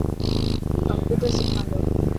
ڪمپيوٽر سکا تو.